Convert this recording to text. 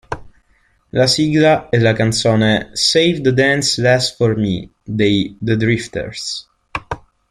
La sigla è la canzone "Save The Dance Last For Me" dei The Drifters.